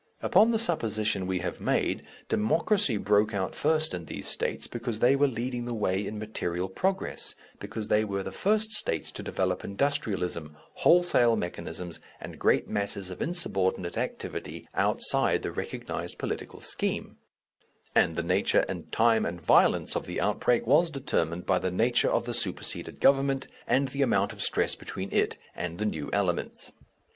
Upon the supposition we have made, Democracy broke out first in these States because they were leading the way in material progress, because they were the first States to develop industrialism, wholesale mechanisms, and great masses of insubordinate activity outside the recognized political scheme, and the nature and time and violence of the outbreak was determined by the nature of the superseded government, and the amount of stress between it and the new elements.